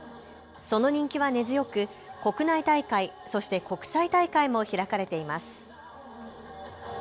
その人気は根強く国内大会、そして国際大会も開かれています。